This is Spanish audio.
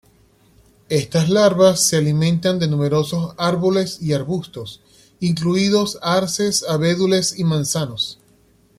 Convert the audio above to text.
Estas larvas se alimentan de numerosos árboles y arbustos, incluidos arces, abedules y manzanos.